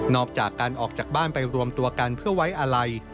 ออกจากการออกจากบ้านไปรวมตัวกันเพื่อไว้อาลัย